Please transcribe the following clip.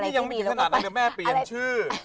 นี่ยังไม่ถึงขนาดนั้นเดี๋ยวแม่เปลี่ยนชื่อ